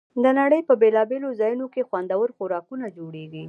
د نړۍ په بېلابېلو ځایونو کې خوندور خوراکونه جوړېږي.